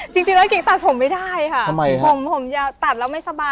จริงแล้วกิ่งตัดผมไม่ได้ค่ะ